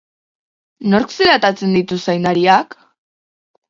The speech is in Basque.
Nork zelatatzen ditu zaindariak?